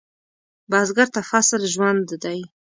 بزګر ته فصل ژوند دی